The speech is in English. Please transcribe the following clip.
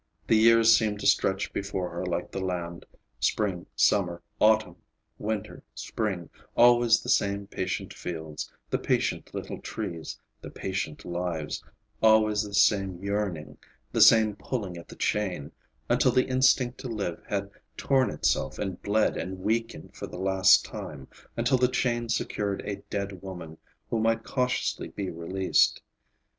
The years seemed to stretch before her like the land; spring, summer, autumn, winter, spring; always the same patient fields, the patient little trees, the patient lives; always the same yearning, the same pulling at the chain—until the instinct to live had torn itself and bled and weakened for the last time, until the chain secured a dead woman, who might cautiously be released.